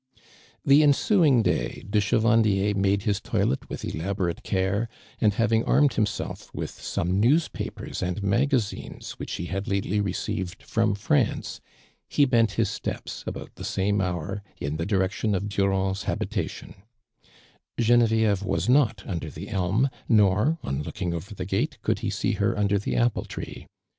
The ensuing day, de Chevandier made iiis toilet with elaborate care, and having armed himself with some newspapers and magazines which he had lately received from France, he bent his steps, about the same liour, in the ilirection of Durand's habita tion, (renovieve was not imdor the elm, iioi", on looking over the gate, could he see iier under the ajiple tree.